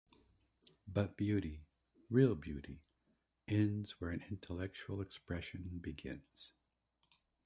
But beauty, real beauty, ends where an intellectual expression begins.